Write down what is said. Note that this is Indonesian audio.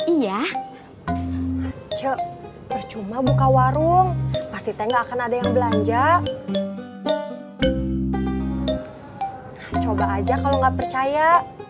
iya coba percuma buka warung pasti teh nggak akan ada yang belanja coba aja kalau nggak percaya